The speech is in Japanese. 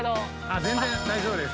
全然大丈夫です。